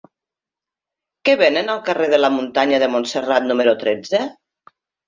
Què venen al carrer de la Muntanya de Montserrat número tretze?